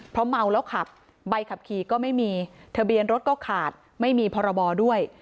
เพราะเมาแล้วขับใบขับขี่ก็ไม่มีทะเบียนรถก็ขาดไม่มีพรบด้วย